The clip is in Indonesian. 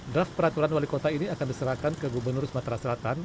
draft peraturan wali kota ini akan diserahkan ke gubernur sumatera selatan